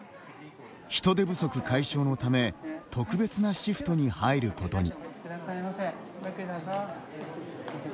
人手不足解消のため特別なシフトに入ることに。